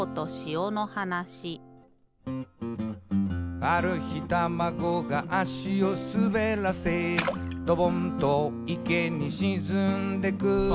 「ある日タマゴが足をすべらせ」「ドボンと池にしずんでく」